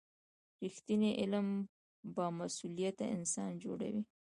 رښتینی علم بامسؤلیته انسان جوړوي.